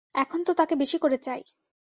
এখন তো তাকে বেশি করে চাই।